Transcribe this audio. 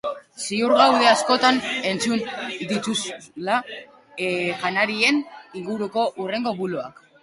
Ziur gaude askotan entzun dituzuzla janarien inguruko hurrengo buloak.